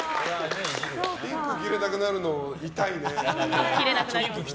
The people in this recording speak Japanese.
ピンク着れなくなるの痛いね。